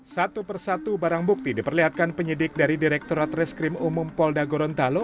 satu persatu barang bukti diperlihatkan penyidik dari direkturat reskrim umum polda gorontalo